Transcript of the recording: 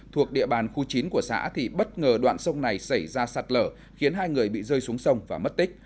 thuộc địa bàn khu chín của xã thì bất ngờ đoạn sông này xảy ra sạt lở khiến hai người bị rơi xuống sông và mất tích